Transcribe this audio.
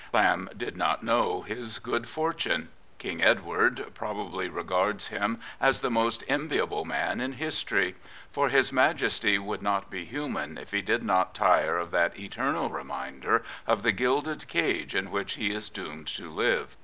Lamb did not know his good fortune. King Edward probably regards him as the most enviable man in history. For his Majesty would not be human if he did not tire of that eternal reminder of the gilded cage in which he is doomed to live.